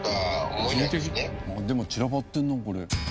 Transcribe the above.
でも散らばってるなこれ。